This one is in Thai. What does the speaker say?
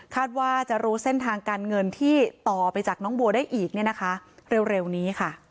ว่าจะรู้เส้นทางการเงินที่ต่อไปจากน้องบัวได้อีกเนี่ยนะคะเร็วนี้ค่ะ